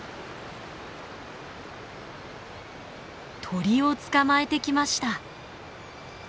鳥を捕まえてきました。